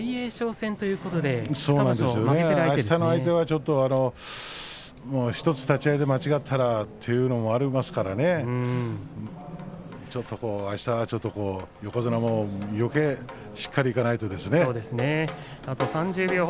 あすの相手は１つ立ち合いで間違えたらばということもありますからちょっと、あしたは横綱もよけいしっかりといかないとですね。